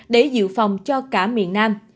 để dự phòng cho cả miền nam